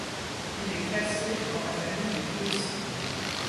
Il est classé dans la famille des biocides.